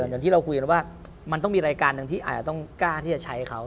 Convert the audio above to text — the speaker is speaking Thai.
อย่างที่เราคุยกันว่ามันต้องมีรายการหนึ่งที่อาจจะต้องกล้าที่จะใช้เขา